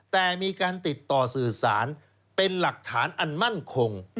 แต่มีการติดต่อสื่อสารเป็นหลักฐานอันมั่นคง